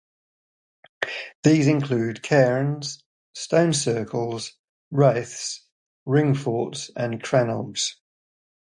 These include cairns, stone circles, raths, ringforts and crannogs.